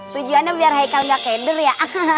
pujuannya biar heike gak keder ya